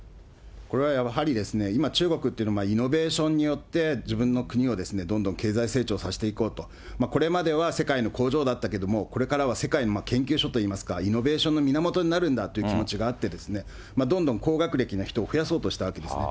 これはやはり今、中国ってイノベーションによって自分の国をどんどん経済成長させていこうと、これまでは世界の工場だったんだけれども、これからは世界の研究所といいますか、イノベーションの源になるんだって気持ちがあって、どんどん高学歴の人を増やそうとしたわけですね。